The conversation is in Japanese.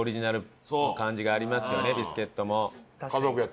ビスケットも。